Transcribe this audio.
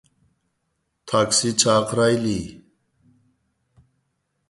تاكسى چاقىرايلى.